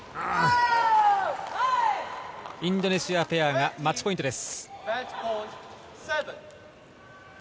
インドネシアペアがマッチポイントです。